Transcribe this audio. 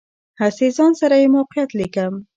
هسې ځان سره یې موقعیت لیکم.